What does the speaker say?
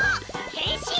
へんしん！